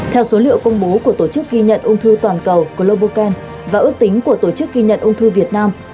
theo số liệu công bố của tổ chức ghi nhận ung thư toàn cầu global can và ước tính của tổ chức ghi nhận ung thư việt nam